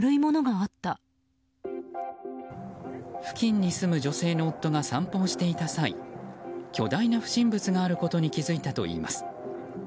付近に住む女性の夫が散歩をしていた際巨大な不審物があることに気づいたといいます。